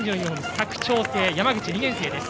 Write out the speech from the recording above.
佐久長聖の山口、２年生です。